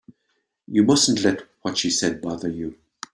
You mustn't let what she said bother you.